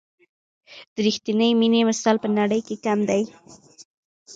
د رښتیني مینې مثال په نړۍ کې کم دی.